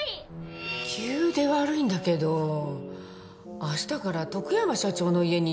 急で悪いんだけど明日から徳山社長の家に行ってもらいたいの。